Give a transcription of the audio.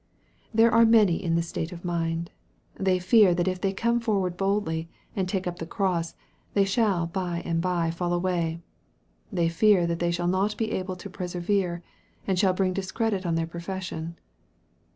There are many in this state of mind. They fear that if they come forward boldly, and take up the cross, they shall by and bye fall away. They fear that they shall not be able to persevere, and shall bring discredit on their profession.